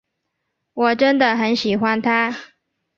我真的很喜欢他。